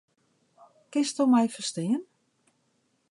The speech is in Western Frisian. Kinsto my ferstean?